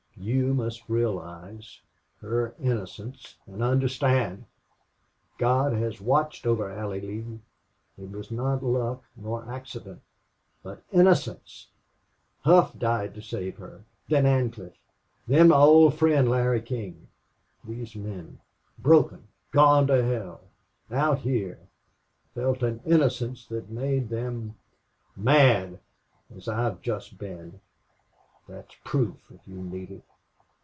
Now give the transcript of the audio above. You must realize her innocence and understand. God has watched over Allie Lee! It was not luck nor accident. But innocence!... Hough died to save her! Then Ancliffe! Then my old friend Larry King! These men broken gone to hell out here felt an innocence that made them mad as I have just been.... That is proof if you need it....